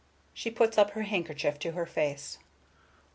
She puts up her handkerchief to her face.